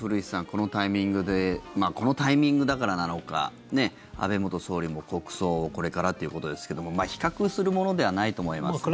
このタイミングでこのタイミングだからなのか安倍元総理も国葬これからということですけども比較するものではないと思いますが。